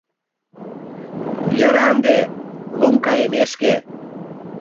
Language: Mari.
«Йӧра ынде, лум кайымешке